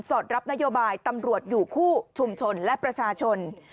รับนโยบายตำรวจอยู่คู่ชุมชนและประชาชน